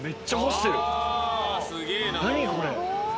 何これ。